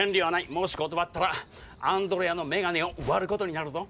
もし断ったらアンドレアのメガネを割ることになるぞ。